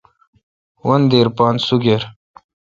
وندیر پان سگِر۔